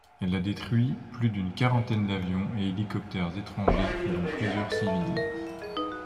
Elle a détruit plus d'une quarantaine d'avions et hélicoptères étrangers dont plusieurs civils.